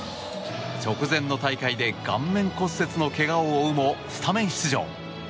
直前の大会で顔面骨折のけがを負うもスタメン出場。